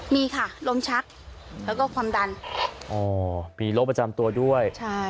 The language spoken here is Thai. มีค่ะลมชักแล้วก็ความดันอ๋อมีโรคประจำตัวด้วยใช่